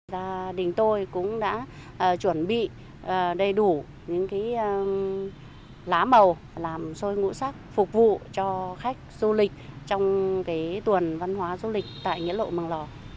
gia đình tôi cũng đã chuẩn bị đầy đủ những lá màu làm sôi ngũ sắc phục vụ cho khách du lịch trong tuần văn hóa du lịch tại nghĩa lộ màng lò